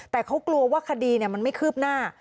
แต่เขากลัวว่าคดีมันไม่คืบหน้า